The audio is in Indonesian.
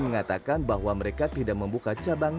mengatakan bahwa mereka tidak membuka cabang